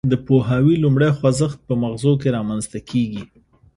د پوهاوي لومړی خوځښت په مغزو کې رامنځته کیږي